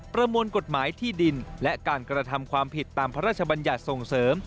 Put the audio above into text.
ประมวลกฎหมายที่ดินและการกระทำความผิดตามพระราชบัญญัติส่งเสริม